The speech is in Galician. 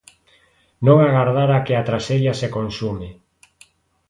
Non agardar a que a traxedia se consume.